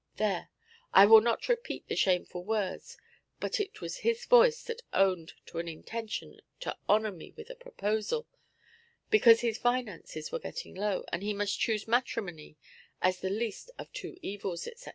There! I will not repeat the shameful words, but it was his voice that owned to an intention to "honour" me with a proposal, because his finances were getting low, and he must choose matrimony as the least of two evils, etc.